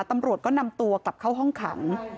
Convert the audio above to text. ตำรวจก็นำตัวกลับเข้าห้องขัง